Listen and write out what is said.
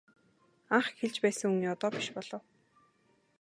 Анх эхэлж байсан үе одоо биш болов.